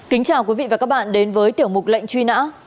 kính chào quý vị và các bạn đến với tiểu mục lệnh truy nã